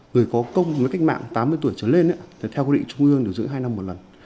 người có công với cách mạng tám mươi tuổi trở lên theo quy định trung ương điều dưỡng hai năm một lần